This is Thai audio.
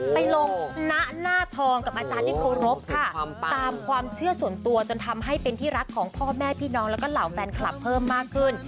ไปลงณหน้าทองกับอาจารย์ที่เคารพค่ะตามความเชื่อส่วนตัวจนทำให้เป็นที่รักของพ่อแม่พี่น้องแล้วก็เหล่าแฟนคลับเพิ่มมากขึ้น